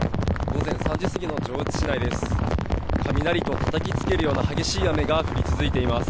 午前３時過ぎの上越市内です。